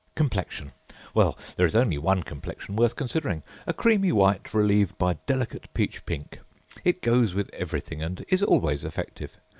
Complexion! Well, there is only one complexion worth consideringâa creamy white, relieved by delicate peach pink. It goes with everything, and is always effective.